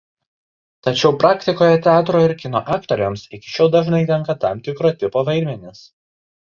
Tačiau praktikoje teatro ir kino aktoriams iki šiol dažnai tenka tam tikro tipo vaidmenys.